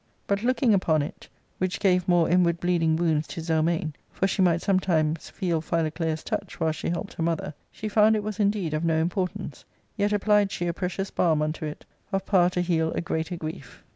But, looking upon it, which gave more inward bleeding wounds to Zelmane, for she might some times feel Phiioclea's touch while she helped her mother, she found it was indeed of no importance ; yet apphed she a precious balm unto it, of power to heal a greater grief.